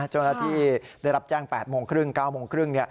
เจ้าหน้าที่ได้รับแจ้ง๘โมงครึ่ง๙โมงครึ่ง